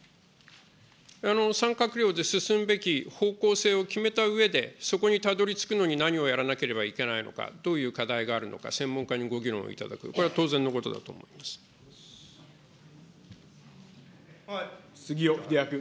３閣僚で進むべき方向性を決めたうえで、そこにたどりつくのに何をやらなければいけないのか、どういう課題があるのか、専門家にご議論をいただく、これは当然のことだと杉尾秀哉君。